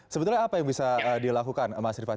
sebetulnya apa yang bisa dilakukan mas rifat